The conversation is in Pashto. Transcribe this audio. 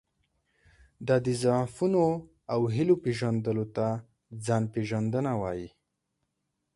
دا د ضعفونو او هیلو پېژندلو ته ځان پېژندنه وایي.